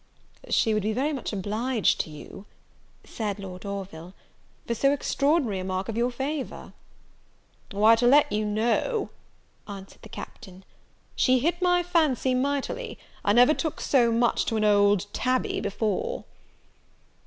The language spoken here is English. "She would be very much obliged to you," said Lord Orville, "for so extraordinary a mark of your favour." "Why, to let you know," answered the Captain, "she hit my fancy mightily; I never took so much to an old tabby before."